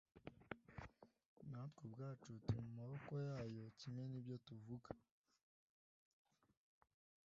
Natwe ubwacu turi mu maboko yayo kimwe n’ibyo tuvuga,